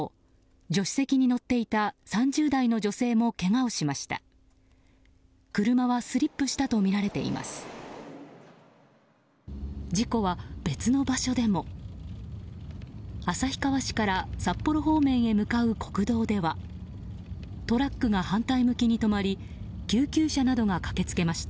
助手席に乗っていた３０代の女性もけがをしました。